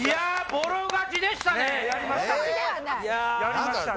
ボロ勝ちでしたよ。